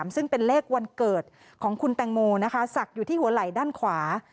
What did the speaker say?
ซึ่งเป็นเลขวันเกิดของคุณแตงโมนะคะศักดิ์อยู่ที่หัวไหล่ด้านขวา